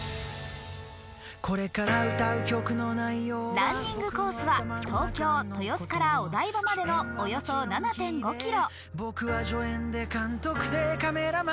ランニングコースは東京・豊洲からお台場までのおよそ７．５ｋｍ。